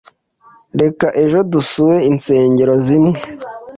Reka ejo dusure insengero zimwe.